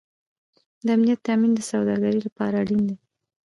د امنیت تامین د سوداګرۍ لپاره اړین دی